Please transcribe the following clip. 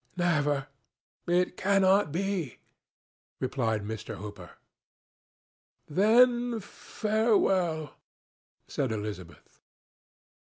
"Never! It cannot be!" replied Mr. Hooper. "Then farewell!" said Elizabeth.